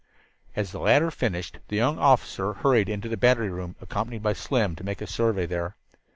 As the latter finished, the young officer hurried into the battery room, accompanied by Slim, to make a survey there.